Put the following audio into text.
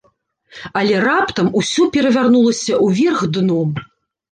Але раптам усё перавярнулася ўверх дном.